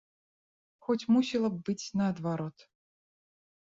Хоць мусіла б быць наадварот.